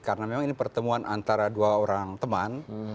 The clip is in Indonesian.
karena memang ini pertemuan antara dua orang teman